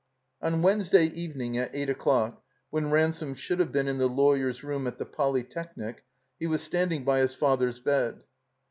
* On Wednesday evening, at eight o'clock, when Ransome should have been in the lawyer's room at the Polytechnic, he was standing by his father's bed.